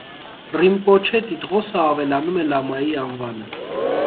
Ռինպոչէ տիտղոսը ավելանում է լամայի անվանը։